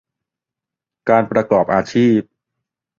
การประกอบอาชีพ